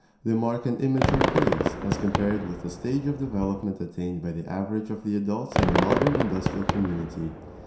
They mark an immature phase, as compared with the stage of development attained by the average of the adults in the modern industrial community.